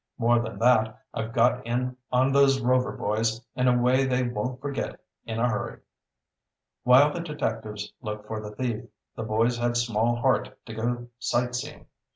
More than that, I've got in on those Rover boys in a way they won't forget in a hurry." While the detectives looked for the thief, the boys had small heart to go sight seeing.